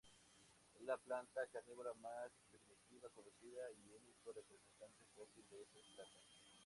Es la planta carnívora más primitiva conocida y único representante fósil de estas plantas.